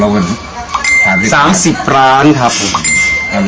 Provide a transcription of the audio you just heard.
แล้วเครื่องเพชรเครื่องทอง